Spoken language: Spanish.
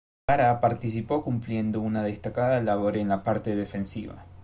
Jara participó cumpliendo una destacada labor en la parte defensiva.